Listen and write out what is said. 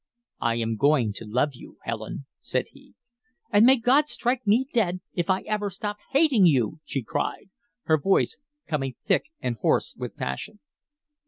"I am going to love you Helen," said he. "And may God strike me dead if I ever stop HATING you!" she cried, her voice coming thick and hoarse with passion.